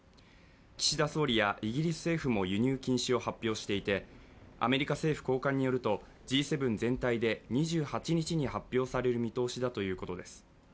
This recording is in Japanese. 岸田総理やイギリス政府も輸入禁止を発表していてアメリカ政府高官によると、Ｇ７全体で２８日に発表される見通しだということです。